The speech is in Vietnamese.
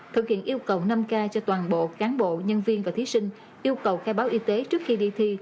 thực hiện yêu cầu năm k cho toàn bộ cán bộ nhân viên và thí sinh yêu cầu khai báo y tế trước khi đi thi